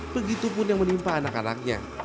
begitupun yang menimpa anak anaknya